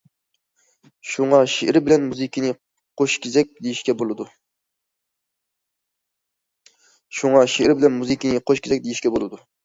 شۇڭا، شېئىر بىلەن مۇزىكىنى قوشكېزەك دېيىشكە بولىدۇ.